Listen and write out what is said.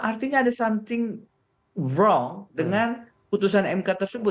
artinya ada sesuatu yang salah dengan putusan nk tersebut